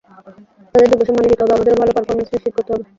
তাদের যোগ্য সম্মানই দিতে হবে, আমাদেরও ভালো পারফরম্যান্স নিশ্চিত করতে হবে।